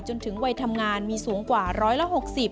จนถึงวัยทำงานมีสูงกว่าร้อยละ๖๐